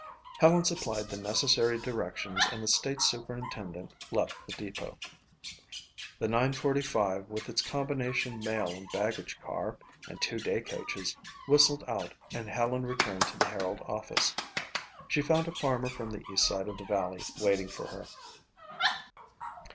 Helen supplied the necessary directions and the state superintendent left the depot. The nine forty five, with its combination mail and baggage car and two day coaches, whistled out and Helen returned to the Herald office. She found a farmer from the east side of the valley waiting for her.